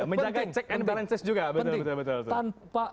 menjaga check and balances juga betul